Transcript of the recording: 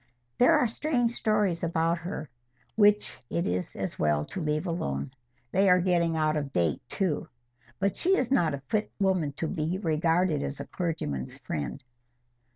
"There are strange stories about her, which it is as well to leave alone. They are getting out of date too. But she is not a fit woman to be regarded as the clergyman's friend.